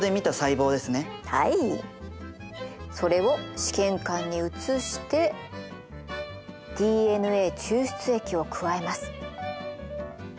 それを試験管に移してＤＮＡ抽出液を加えます。